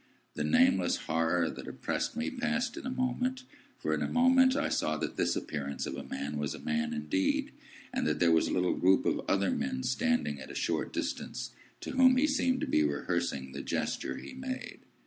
The nameless horror that oppressed me passed in a moment, for in a moment I saw that this appearance of a man was a man indeed, and that there was a little group of other men, standing at a short distance, to whom he seemed to be rehearsing the gesture he made.